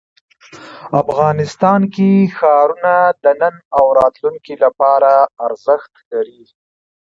افغانستان کې ښارونه د نن او راتلونکي لپاره ارزښت لري.